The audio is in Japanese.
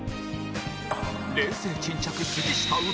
冷静沈着杉下右京